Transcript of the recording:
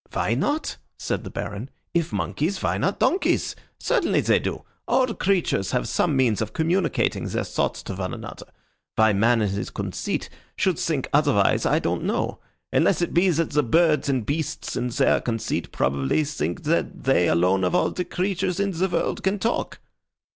"Why not?" said the Baron. "If monkeys, why not donkeys? Certainly they do. All creatures have some means of communicating their thoughts to each other. Why man in his conceit should think otherwise I don't know, unless it be that the birds and beasts in their conceit probably think that they alone of all the creatures in the world can talk."